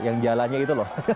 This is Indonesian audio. yang jalannya itu loh